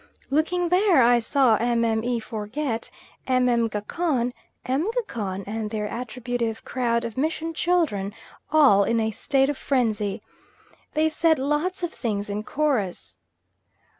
Looking there I saw Mme. Forget, Mme. Gacon, M. Gacon, and their attributive crowd of mission children all in a state of frenzy. They said lots of things in chorus.